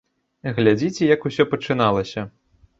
Глядзіце, як усё пачыналася.